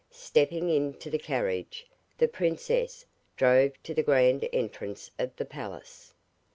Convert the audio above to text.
Stepping into the carriage the princess drove to the grand entrance of the palace.